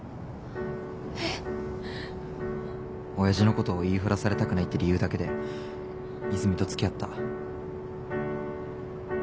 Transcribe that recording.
親父のことを言いふらされたくないって理由だけで和泉とつきあった。